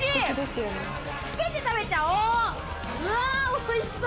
うわおいしそう！